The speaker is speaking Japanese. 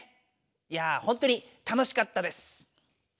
いやほんとに楽しかったです。